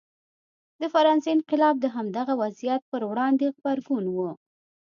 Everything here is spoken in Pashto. د فرانسې انقلاب د همدغه وضعیت پر وړاندې غبرګون و.